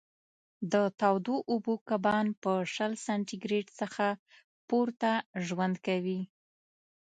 د تودو اوبو کبان په شل سانتي ګرېد څخه پورته ژوند کوي.